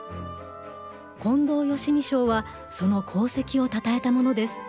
近藤芳美賞はその功績をたたえたものです。